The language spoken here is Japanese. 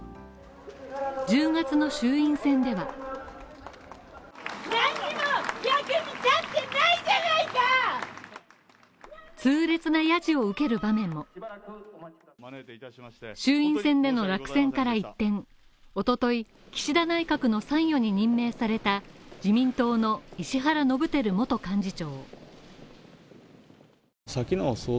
１０月の衆院選では痛烈なヤジを受ける場面も衆院選での落選から一転、一昨日、岸田内閣の参与に任命された自民党の石原伸晃元幹事長。